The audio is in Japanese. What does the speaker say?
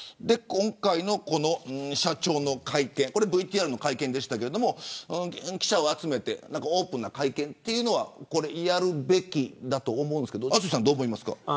今回の社長の会見はＶＴＲでしたが記者を集めてオープンな会見というのはやるべきだと思うんですけど淳さんはどう思いますか。